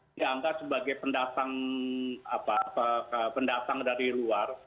dianggap sebagai pendatang dari luar